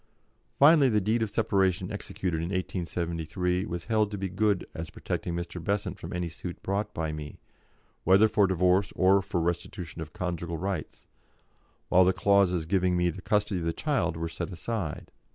Finally the deed of separation executed in 1873 was held to be good as protecting Mr. Besant from any suit brought by me, whether for divorce or for restitution of conjugal rights, while the clauses giving me the custody of the child were set aside.